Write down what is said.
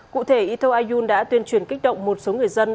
cụ thể eto ayun đã tuyên truyền kích động một số người dân